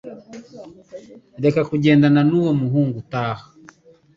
reka kugendana nuwo muhungu taha